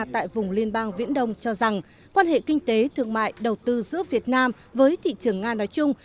tại vùng liên bang viễn đông cho rằng quan hệ kinh tế thương mại đầu tư giữa việt nam với thị trường nga nói chung